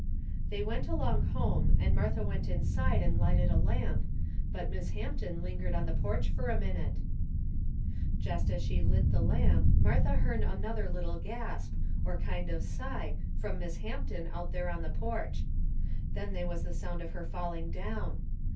They went along home, and Martha went inside and lighted a lamp, but Miss Hampton lingered on the porch fur a minute. Jest as she lit the lamp Martha hearn another little gasp, or kind of sigh, from Miss Hampton out there on the porch. Then they was the sound of her falling down.